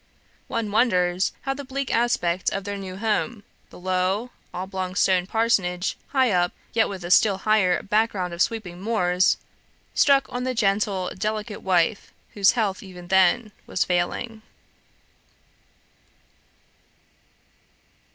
One wonders how the bleak aspect of her new home the low, oblong, stone parsonage, high up, yet with a still higher back ground of sweeping moors struck on the gentle, delicate wife, whose health even then was failing.